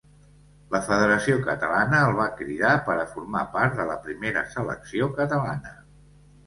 La Federació Catalana el va cridar per a formar part de la primera Selecció Catalana.